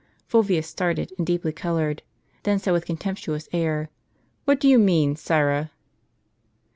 Fulvius started, and deeply colored ; then said, with a con temptuous air, "What do you mean, sirrah?"